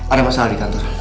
ada masalah di kantor